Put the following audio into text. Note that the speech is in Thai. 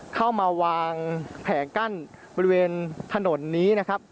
เข้ามาวางแผงกั้นบริเวณถนนนี้นะครับ